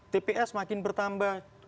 tps makin bertambah